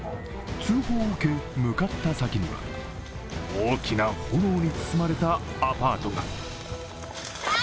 通報を受け、向かった先には大きな炎に包まれたアパートが。